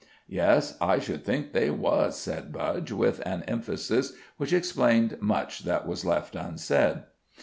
"Yes, I should think they was," said Budge, with an emphasis which explained much that was left unsaid.